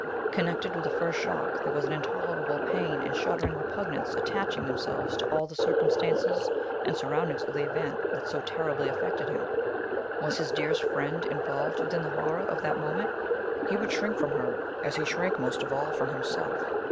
Connected with the first shock there was an intolerable pain and shuddering repugnance attaching themselves to all the circumstances and surroundings of the event that so terribly affected him. Was his dearest friend involved within the horror of that moment? He would shrink from her as he shrank most of all from himself.